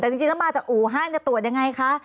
แต่จริงจะมาจากอู่ฮั่นจะตรวจยังไงคะ